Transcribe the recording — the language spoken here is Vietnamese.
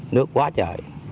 nước quá trời